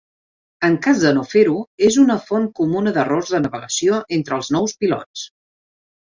En cas de no fer-ho és una font comuna d'errors de navegació entre els nous pilots.